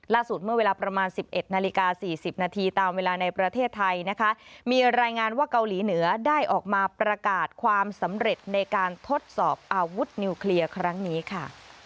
เมื่อเวลาประมาณ๑๑นาฬิกา๔๐นาทีตามเวลาในประเทศไทยนะคะมีรายงานว่าเกาหลีเหนือได้ออกมาประกาศความสำเร็จในการทดสอบอาวุธนิวเคลียร์ครั้งนี้ค่ะ